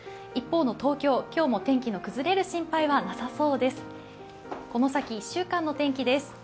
一方の東京、今日も天気の崩れる心配はなさそうです。